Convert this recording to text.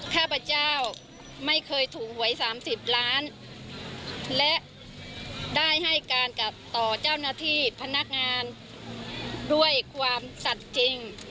ข้าพเจ้าไม่เคยถูกหวย๓๐ล้านและได้ให้การกับต่อเจ้าหน้าที่พนักงานด้วยความสัตว์จริง